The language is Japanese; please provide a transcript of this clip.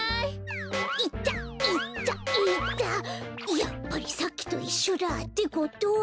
やっぱりさっきといっしょだ。ってことは。